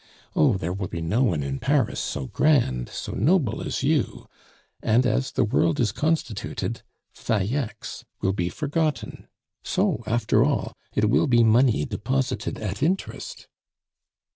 Oh! there will be no one in Paris so grand, so noble as you; and as the world is constituted, Falleix will be forgotten. So, after all, it will be money deposited at interest."